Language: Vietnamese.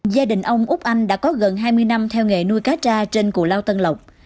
gia đình ông úc anh đã có gần hai mươi năm theo nghề nuôi cá tra trên cù lao tân lộc